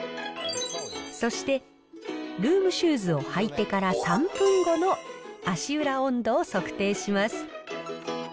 そして、ルームシューズを履いてから３分後の足裏温度を測定します。